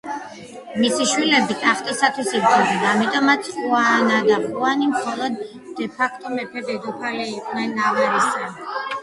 მისი შვილები ტახტისათვის იბრძოდნენ, ამიტომაც ხუანა და ხუანი მხოლოდ დე-ფაქტო მეფე-დედოფალი იყვნენ ნავარისა.